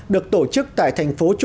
được tổ chức tại thành phố trung quốc